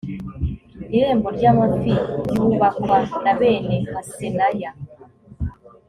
irembo ry amafi ryubakwa na bene hasenaya